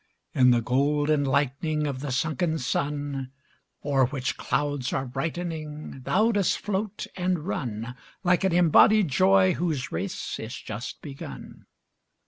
In the golden lightning Of the sunken sun, O'er which clouds are brightening, Thou dost float and run, Like an embodied joy whose race is just begun.